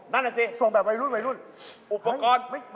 นั่นน่ะสิซุงไปวัยรุ่นวัยรุ่นนั่นอรึเปี๊ยบ